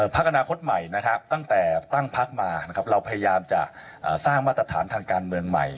พักอนาคตใหม่นะครับตั้งแต่ตั้งพักมานะครับเราพยายามจะสร้างมาตรฐานทางการเมืองใหม่